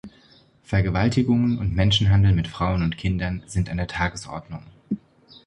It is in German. Vergewaltigungen und Menschenhandel mit Frauen und Kindern sind an der Tagesordnung.